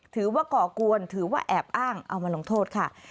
ก่อกวนถือว่าแอบอ้างเอามาลงโทษค่ะ